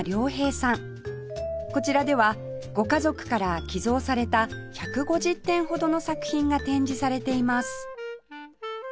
こちらではご家族から寄贈された１５０点ほどの作品が展示されています